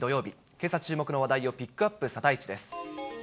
けさ注目の話題をピックアップ、サタイチです。